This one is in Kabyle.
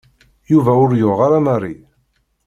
Yuba ur yuɣ ara Mary.